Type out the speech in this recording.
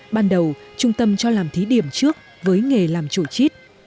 ban đầu trung tâm cho làm thí điểm trước với nghề làm chủ chít